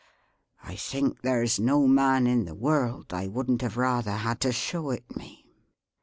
I think there's no man in the world I wouldn't have rather had to show it me."